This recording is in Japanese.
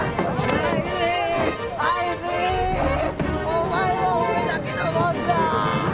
お前は俺だけのもんだ！